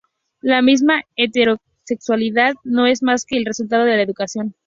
La misma heterosexualidad no es más que el resultado de la educación.